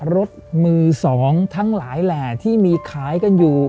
รถมือ๒ทั้งหลายแหล่ที่มีขายกันอยู่